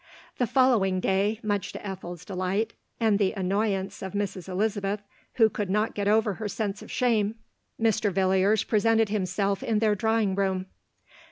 The following day, much to Ethel's delight, and the annoyance of Mrs. Elizabeth, who could not get over her sense of shame, Mr. Villiers presented himself in their drawing room.